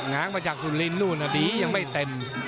ง้างมาจากสุรินนู่นดียังไม่เต็ม